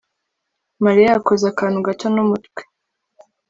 Mariya yakoze akantu gato numutwe